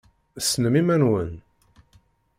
Tessnem iman-nwen.